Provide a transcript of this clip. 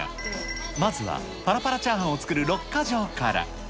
まずはぱらぱらチャーハンを作る６か条から。